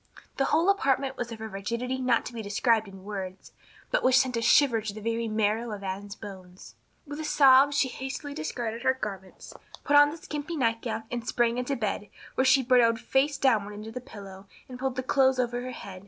The whole apartment was of a rigidity not to be described in words, but which sent a shiver to the very marrow of Anne's bones. With a sob she hastily discarded her garments, put on the skimpy nightgown and sprang into bed where she burrowed face downward into the pillow and pulled the clothes over her head.